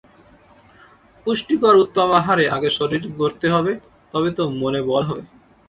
পুষ্টিকর উত্তম আহারে আগে শরীর গড়তে হবে, তবে তো মনে বল হবে।